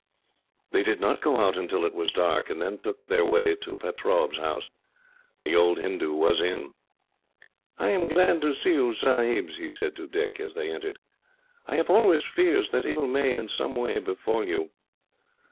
They did not go out until it was dark, and then took their way to Pertaub's house. The old Hindoo was in. "I am glad to see you, Sahibs," he said to Dick, as they entered. "I have always fears that ill may, in some way, befall you."